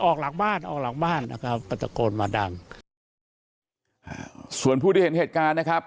ออกหลังบ้านออกหลังบ้านนะครับก็ตะโกนมาดังอ่าส่วนผู้ที่เห็นเหตุการณ์นะครับ